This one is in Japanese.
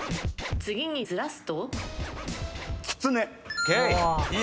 次にずらすと？